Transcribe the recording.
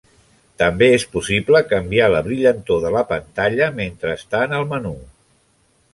També és possible canviar la brillantor de la pantalla mentre està en el menú.